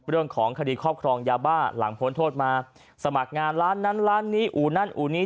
เรื่องของคดีครอบครองยาบ้าหลังพ้นโทษมาสมัครงานร้านนั้นร้านนี้อู่นั้นอู่นี้